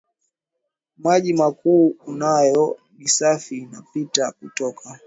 maji makuu unayo ni safi Inapita kutoka